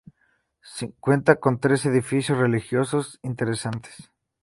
Cuenta con tres edificios religiosos interesantes.